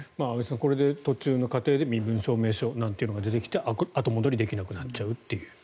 これで途中の過程で身分証明書なんていうのが出てきて後戻りできなくなっちゃうという。